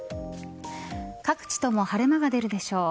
各地とも晴れ間が出るでしょう。